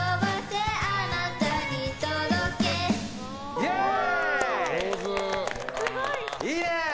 イエーイ！